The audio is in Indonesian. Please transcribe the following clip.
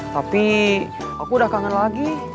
tapi aku udah kangen lagi